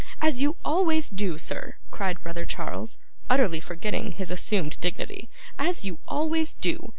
'As you always do, sir,' cried brother Charles, utterly forgetting his assumed dignity, 'as you always do.